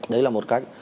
đấy là một cách